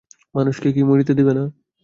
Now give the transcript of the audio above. মানুষকে কি মরিতে দিবে না।